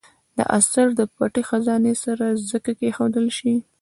دا اثر د پټې خزانې سره ځکه کېښودل شي.